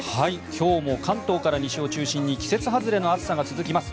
今日も関東から西を中心に季節外れの暑さが続きます。